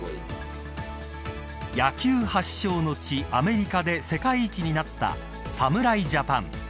野球発祥の地アメリカで世界一になった侍ジャパン。